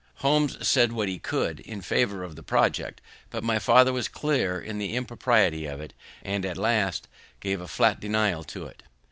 Holmes said what he could in favour of the project, but my father was clear in the impropriety of it, and at last, gave a flat denial to it.